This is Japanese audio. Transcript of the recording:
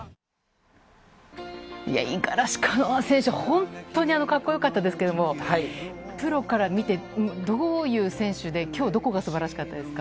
五十嵐カノア選手、本当にかっこよかったですけどもプロから見てどういう選手で、今日、どこが素晴らしかったですか？